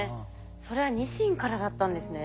それはニシンからだったんですね。